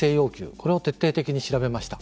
これを徹底的に調べました。